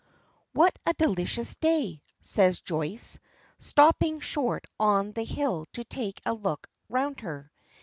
"What a delicious day!" says Joyce, stopping short on the hill to take a look round her.